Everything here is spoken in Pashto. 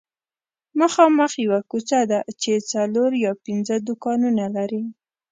مخامخ یوه کوڅه ده چې څلور یا پنځه دوکانونه لري